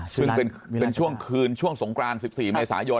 ซึ่งเป็นช่วงคืนช่วงสงกราน๑๔เมษายน